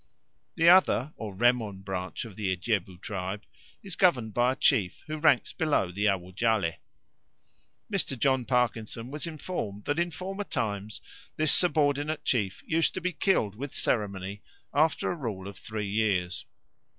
The other or Remon branch of the Ijebu tribe is governed by a chief, who ranks below the Awujale. Mr. John Parkinson was informed that in former times this subordinate chief used to be killed with ceremony after a rule of three years.